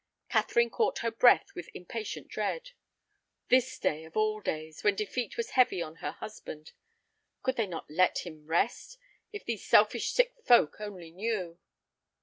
Catherine caught her breath with impatient dread. This day of all days, when defeat was heavy on her husband! Could they not let him rest? If these selfish sick folk only knew!